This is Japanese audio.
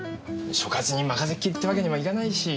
所轄に任せっきりってわけにもいかないし。